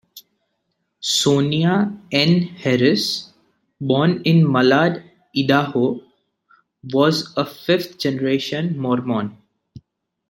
Sonia Ann Harris, born in Malad, Idaho, was a fifth-generation Mormon.